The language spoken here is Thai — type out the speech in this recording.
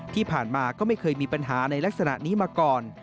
ที่ผ่านมาก็ไม่เคยมีปัญหาในลักษณะนี้มาก่อน